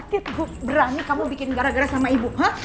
akhirnya ibu berani kamu bikin gara gara sama ibu